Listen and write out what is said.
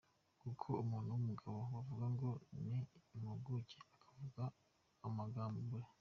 Koko umuntu w’umugabo bavuga ngo ni impuguke akavuga amangambure ?